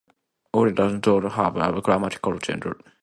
Ainu does not have grammatical gender.